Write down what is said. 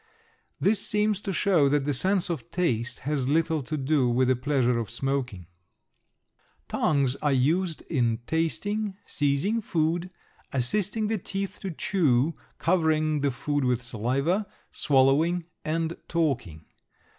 This seems to show that the sense of taste has little to do with the pleasure of smoking. Tongues are used in tasting, seizing food, assisting the teeth to chew, covering the food with saliva, swallowing, and talking.